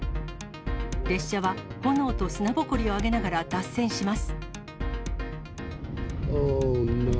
列車は炎と砂ぼこりを上げながら脱線します。